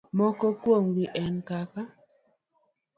Moko kuomgi en kaka: